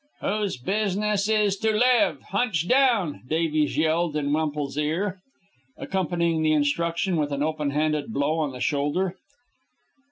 "Whose business is to live! hunch down!" Davies yelled in Wemple's ear, accompanying the instruction with an open handed blow on the shoulder.